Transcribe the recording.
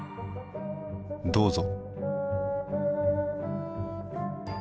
どうぞ。